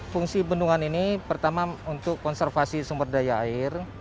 fungsi bendungan ini pertama untuk konservasi sumber daya air